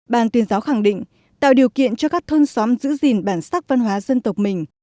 ban tuyên giáo khẳng định tạo điều kiện cho các thôn xóm giữ gìn bản sắc văn hóa dân tộc mình